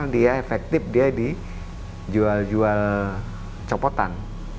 dia efektif dia dijual jual copotan